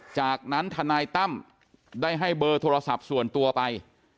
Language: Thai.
จากนั้นทนายตั้มได้ให้เบอร์โทรศัพท์ส่วนตัวไป